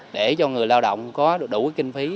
để cho người lao động có đủ kinh phí